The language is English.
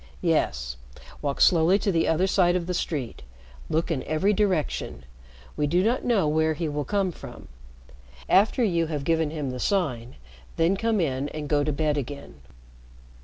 "Yes. Walk slowly to the other side of the street. Look in every direction. We do not know where he will come from. After you have given him the sign, then come in and go to bed again."